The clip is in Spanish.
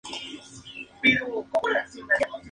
En Australia el lanzamiento de "Oops!...